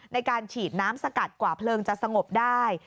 ในการฉีดน้ำสกัดกว่าเพลิงจะสงบได้